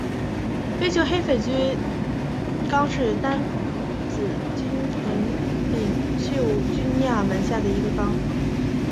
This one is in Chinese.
微球黑粉菌纲是担子菌门柄锈菌亚门下的一个纲。